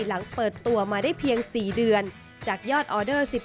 หลังเปิดตัวมาได้เพียงสี่เดือนจากยอดออเดอร์๑๐กกต่อวัน